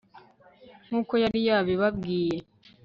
nk'uko yari yabibabwiye